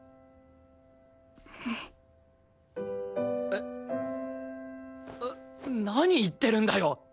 えっ何言ってるんだよ？